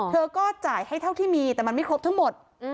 เธอก็จ่ายให้เท่าที่มีแต่มันไม่ครบทั้งหมด